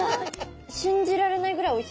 信じられないぐらいおいしいんですけど何？